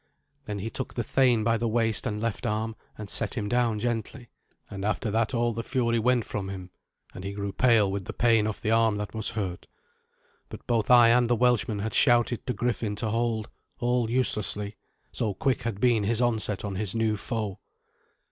Then he took the thane by the waist and left arm and set him down gently; and after that all the fury went from him, and he grew pale with the pain of the arm that was hurt. But both I and the Welshmen had shouted to Griffin to hold, all uselessly, so quick had been his onset on his new foe.